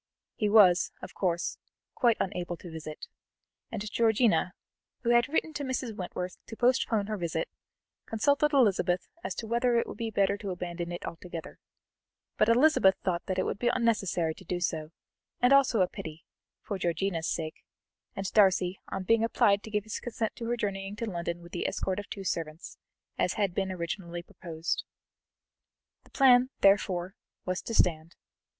He was, of course, quite unable to visit, and Georgiana, who had written to Mrs. Wentworth to postpone her visit, consulted Elizabeth as to whether it would be better to abandon it altogether, but Elizabeth thought that it would be unnecessary to do so, and also a pity, for Georgiana's sake, and Darcy, on being applied to give his consent to her journeying to London with the escort of two servants, as had been originally proposed. The plan, therefore, was to stand.